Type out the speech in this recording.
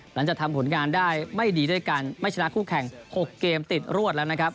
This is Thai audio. หลังจากทำผลงานได้ไม่ดีด้วยกันไม่ชนะคู่แข่ง๖เกมติดรวดแล้วนะครับ